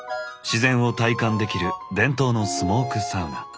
自然を体感できる伝統のスモークサウナ。